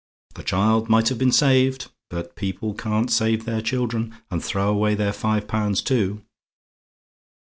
The child might have been saved; but people can't save their children and throw away their five pounds too.